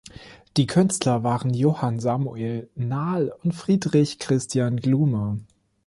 Die Künstler waren Johann Samuel Nahl und Friedrich Christian Glume.